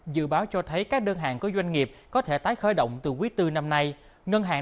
dự báo cho thấy các đơn hàng có doanh nghiệp có thể tái khởi động từ quý bốn năm nay ngân hàng